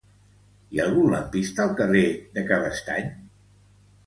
Hi ha algun lampista al carrer de Cabestany?